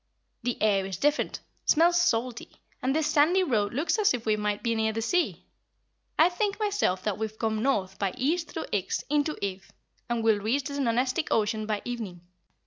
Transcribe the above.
"The air's different, smells salty, and this sandy road looks as if we might be near the sea. I think myself that we've come north by east through Ix into Ev and will reach the Nonestic Ocean by evening."